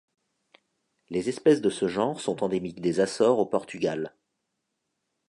Les espèces de ce genre sont endémiques des Açores au Portugal.